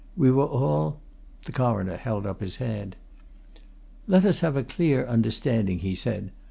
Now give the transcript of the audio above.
We were all " The Coroner held up his hand. "Let us have a clear understanding," he said.